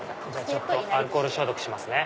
ちょっとアルコール消毒しますね。